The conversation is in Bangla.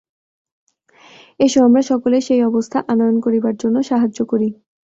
এস, আমরা সকলে সেই অবস্থা আনয়ন করিবার জন্য সাহায্য করি।